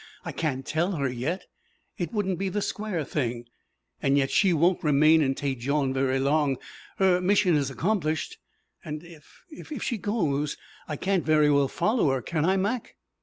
I can't tell her yet. It wouldn't be the square thing. And yet she won't remain in Tête Jaune very long. Her mission is accomplished. And if if she goes I can't very well follow her, can I, Mac?"